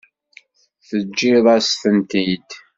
Teǧǧiḍ-as-tent-id.